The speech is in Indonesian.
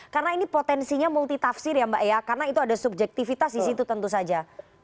karena ini potensinya multitafsir ya mbak ea karena itu ada subjektivitas di situ tentu saja